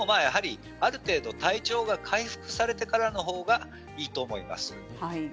ある程度体調が回復されてからがいいと思います。